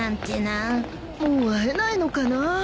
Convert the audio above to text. もう会えないのかな。